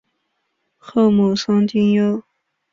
后母丧丁忧。